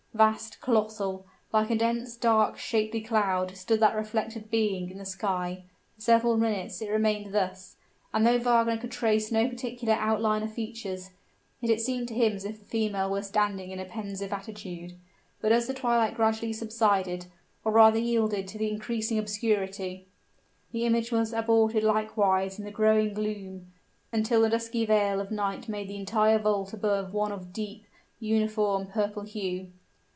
Vast colossal like a dense, dark, shapely cloud, stood that reflected being in the sky; for several minutes it remained thus, and though Wagner could trace no particular outline of features, yet it seemed to him as if the female were standing in a pensive attitude. But as the twilight gradually subsided, or rather yielded to the increasing obscurity, the image was absorbed likewise in the growing gloom; until the dusky veil of night made the entire vault above of one deep, uniform, purple hue.